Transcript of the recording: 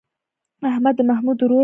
احمد د محمود ورور دی.